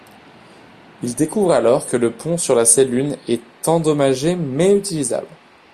Ils découvrent alors que le pont sur la Sélune est endommagé mais utilisable.